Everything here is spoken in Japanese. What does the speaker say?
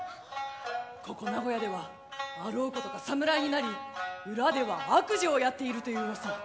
ここ名古屋ではあろうことか侍になり裏では悪事をやっているという噂。